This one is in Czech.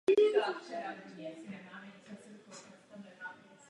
To nám říká naše svědomí.